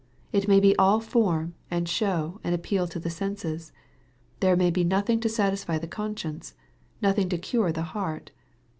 It may be all form, and show, and appeal to the senses. There may be nothing to satisfy the conscience nothing to cure the heart.